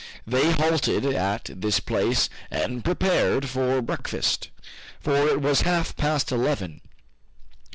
They halted at this place and prepared for breakfast, for it was half past eleven.